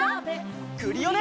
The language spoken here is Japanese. クリオネ！